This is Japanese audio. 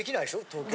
東京。